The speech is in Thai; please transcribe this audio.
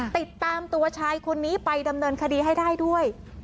ติดตามตัวชายคนนี้ไปดำเนินคดีให้ได้ด้วย